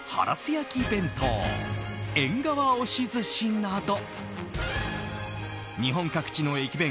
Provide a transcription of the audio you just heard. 焼き弁当えんがわ押し寿司など日本各地の駅弁